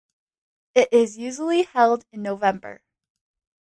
It is usually held in November.